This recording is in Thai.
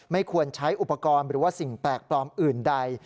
ไม่ควรใช้อุปกรณ์หรือว่าสิ่งแปลกปลอมอื่นใด